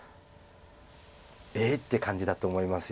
「えっ！」って感じだと思います。